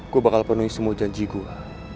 gue bakal penuhi semua janji gue